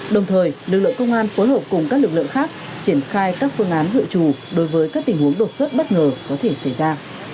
đồng thời lực lượng công an phối hợp cùng các lực lượng khác triển khai các phương án dự trù đối với các tình huống đột xuất bất ngờ có thể xảy ra